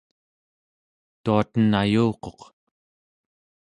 tuaten ayuquq